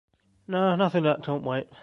No, nothing that can’t wait.